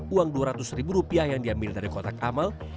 uang dua ratus ribu rupiah yang diambil dari kotak amal